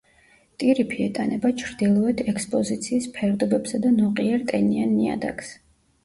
ტირიფი ეტანება ჩრდილოეთ ექსპოზიციის ფერდობებსა და ნოყიერ ტენიან ნიადაგს.